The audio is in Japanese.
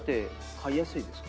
「飼いやすいですよ」